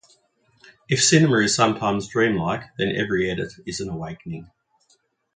If cinema is sometimes dreamlike, then every edit is an awakening.